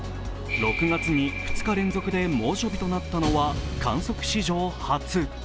６月に２日連続で猛暑日となったのは観測史上初。